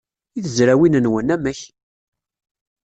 I tezrawin-nwen, amek?